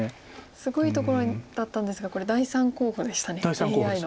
すごいところだったんですがこれ第３候補でしたＡＩの。